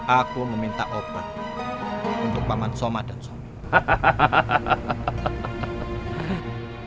aku meminta obat untuk paman somat dan somat